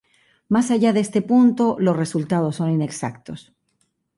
Más allá de este punto los resultados son inexactos.